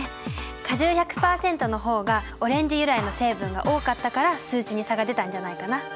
果汁１００％の方がオレンジ由来の成分が多かったから数値に差が出たんじゃないかな。